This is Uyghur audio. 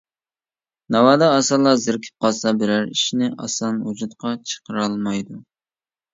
ناۋادا ئاسانلا زېرىكىپ قالسا بىرەر ئىشنى ئاسان ۋۇجۇدقا چىقىرالمايدۇ.